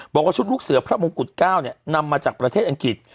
บอกว่าชุดลูกเสือพระมงกุฎ๙นำมาจากประเทศอังกฤษ